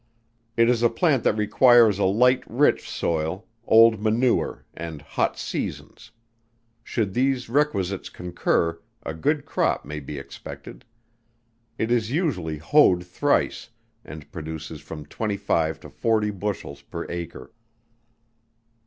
It is a plant that requires a light rich soil, old manure, and hot seasons; should these requisites concur, a good crop may be expected. It is usually hoed thrice, and produces from twenty five to forty bushels per acre.